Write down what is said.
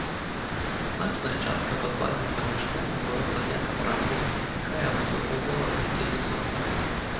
Значная частка падвальных памяшканняў была занята пральняй, якая абслугоўвала гасцініцу.